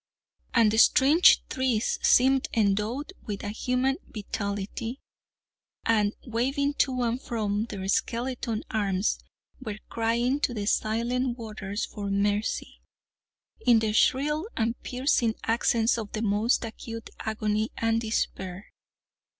And the strange trees seemed endowed with a human vitality, and waving to and fro their skeleton arms, were crying to the silent waters for mercy, in the shrill and piercing accents of the most acute agony and despair.